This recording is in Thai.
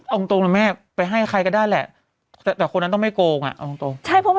เอาจริงเนี่ยแม่ไปให้ใครก็ได้แหละแต่คนนั้นต้องไม่โกงอ่ะ